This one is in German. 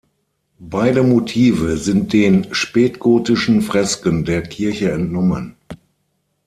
Beide Motive sind den spätgotischen Fresken der Kirche entnommen.